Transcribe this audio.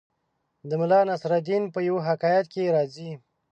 د ملا نصرالدین په یوه حکایت کې راځي